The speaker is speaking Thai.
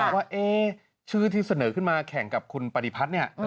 ว่าชื่อที่เสนอขึ้นมาแข่งกับคุณปฏิพัฒน์เนี่ย